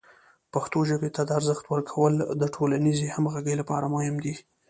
پښتو ژبې ته د ارزښت ورکول د ټولنیزې همغږۍ لپاره مهم دی.